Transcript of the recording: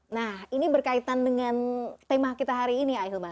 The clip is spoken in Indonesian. nah ini berkaitan dengan tema kita hari ini